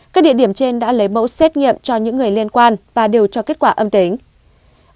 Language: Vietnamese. các địa điểm trên đã lấy mẫu xét nghiệm cho những người liên quan và đều cho kết quả âm tính